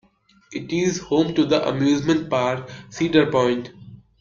It is home to the amusement park Cedar Point.